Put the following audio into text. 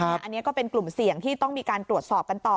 อันนี้ก็เป็นกลุ่มเสี่ยงที่ต้องมีการตรวจสอบกันต่อ